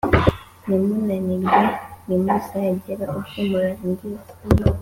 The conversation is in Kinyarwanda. ntimunanirwe, ntimuzagera ubwo murangiza.